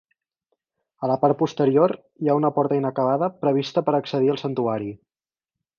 A la part posterior, hi ha una porta inacabada prevista per accedir al santuari.